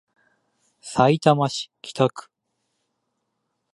さいたま市北区